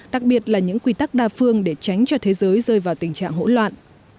đặc biệt là những quy tắc đa phương để tránh cho thế giới rơi vào tình trạng hỗn loạn